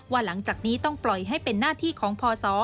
หลังจากนี้ต้องปล่อยให้เป็นหน้าที่ของพศ